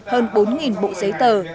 hơn bốn bộ giấy tờ